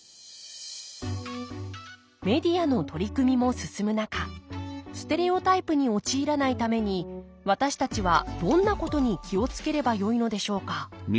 メディアの取り組みも進む中ステレオタイプに陥らないために私たちはどんなことに気を付ければよいのでしょうか？